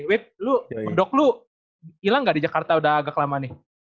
wid lu mendok lu ilang gak di jakarta udah agak lama nih